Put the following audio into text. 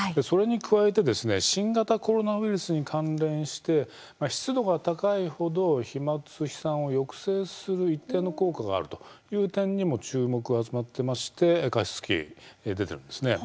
それに加えて新型コロナウイルスに関連して湿度が高いほど飛まつの飛散を抑制する一定の効果があるという点にも注目が集まっていまして加湿器が出ています。